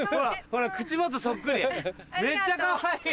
めっちゃかわいい！